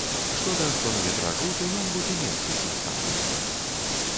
Што да хронаметражу, то ён будзе меншы, чым сам канцэрт.